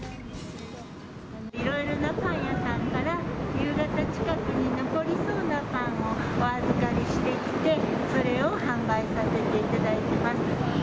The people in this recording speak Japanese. いろいろなパン屋さんから、夕方近くに残りそうなパンをお預かりしてきて、それを販売させていただいてます。